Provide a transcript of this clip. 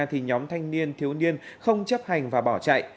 thì nhóm thanh niên thiếu niên không chấp hành và bỏ chạy